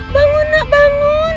bangun nak bangun